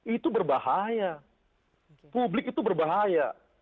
itu berbahaya publik itu berbahaya